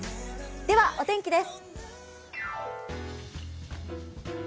では、お天気です。